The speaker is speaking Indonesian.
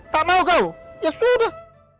tak mau gau ya sudah